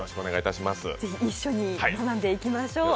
ぜひ一緒に学んでいきましょう。